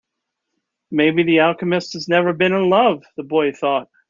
Maybe the alchemist has never been in love, the boy thought.